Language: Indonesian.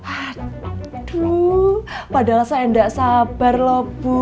aduh padahal saya nggak sabar loh bu